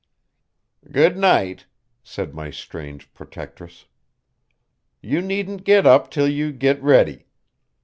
"Good night," said my strange protectress, "You needn't git up till you git ready.